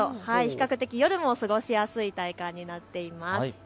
比較的、夜も過ごしやすい体感になっています。